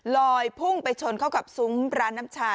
พุ่งไปชนเข้ากับซุ้มร้านน้ำชา